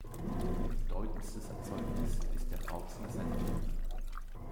Bedeutendstes Erzeugnis ist der Bautz’ner Senf.